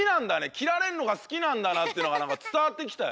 きられるのがすきなんだなっていうのがつたわってきたよ。